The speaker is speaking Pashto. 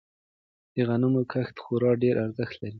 د غنمو کښت خورا ډیر ارزښت لری.